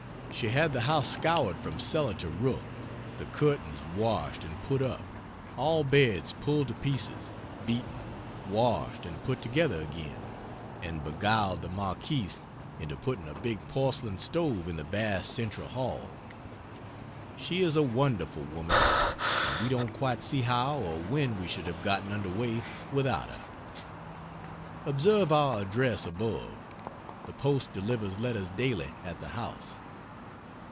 She had the house scoured from Cellar to rook the curtains washed and put up, all beds pulled to pieces, beaten, washed and put together again, and beguiled the Marchese into putting a big porcelain stove in the vast central hall. She is a wonderful woman, and we don't quite see how or when we should have gotten under way without her. Observe our address above the post delivers letters daily at the house.